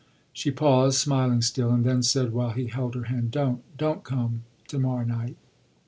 She paused, smiling still, and then said while he held her hand: "Don't, don't come to morrow night."